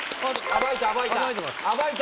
暴いた暴いた。